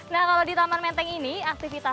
nah kalau di taman menteng ini aktivitas